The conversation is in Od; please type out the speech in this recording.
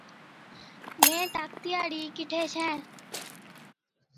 مين طاقتِي هاڙَي ڪِٺي ڇَين،